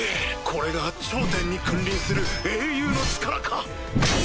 これが頂点に君臨する英雄の力か！